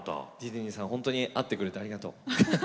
ディズニーさん本当にあってくれてありがとう。